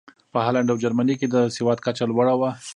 په هالنډ او جرمني کې د سواد کچه لوړه وه.